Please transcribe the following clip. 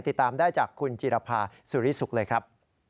ติดตามได้จากคุณจิรภาสุริสุขเลยครับ